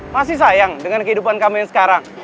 masih sayang dengan kehidupan kami yang sekarang